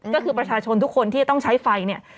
ก็คือประชาชนทุกคนที่จะต้องใช้ไฟเนี่ย